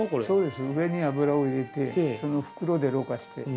そうです上に油を入れてその袋でろ過して。